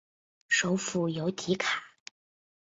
首府由提卡。